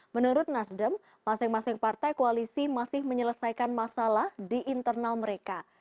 menurut nasdem masing masing partai koalisi masih menyelesaikan masalah di internal mereka